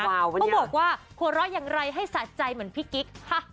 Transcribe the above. เขาบอกว่าหัวเราะอย่างไรให้สะใจเหมือนพี่กิ๊ก